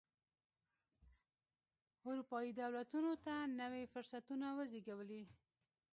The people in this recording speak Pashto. اروپايي دولتونو ته نوي فرصتونه وزېږولې.